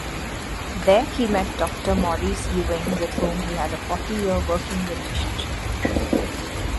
There he met Doctor Maurice Ewing with whom he had a forty-year working relationship.